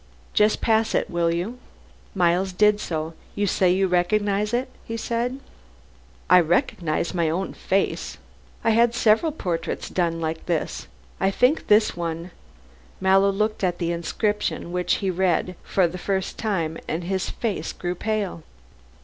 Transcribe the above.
"Just pass it, will you." Miles did so. "You say you recognize it," he said. "I recognize my own face. I had several portraits done like this. I think this one " Mallow looked at the inscription which he read for the first time, and his face grew pale.